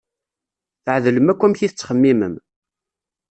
Tɛedlem akk amek i tettxemimem.